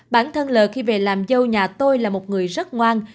bản thân l khi về làm dâu nhà tôi là một người rất ngoan